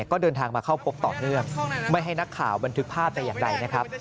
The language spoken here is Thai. ก็เดินทางมาเผาพบต่อไม่ให้นักข่าวบันทึกพลาดกันอย่างไร